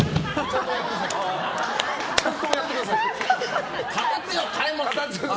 ちゃんとやってください！